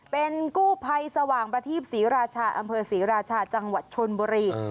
เป็นกู้ภัยสว่างประทีปศรีราชาอำเภอศรีราชาจังหวัดชนบุรี